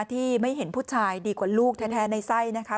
ที่ไม่เห็นผู้ชายดีกว่าลูกแท้ในไส้นะคะ